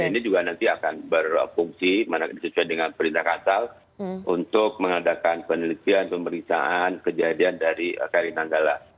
ini juga nanti akan berfungsi sesuai dengan perintah kasal untuk mengadakan penelitian pemeriksaan kejadian dari kri nanggala